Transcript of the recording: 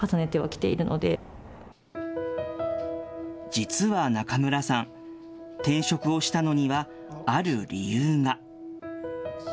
実は中村さん、転職をしたのにはある理由が。